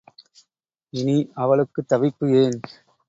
இனி அவளுக்குத் தவிப்பு ஏன்?